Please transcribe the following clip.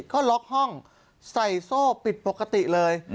ก็ล็อกห้องใส่โซ่ปิดปกติเลย